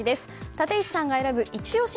立石さんが選ぶイチ推し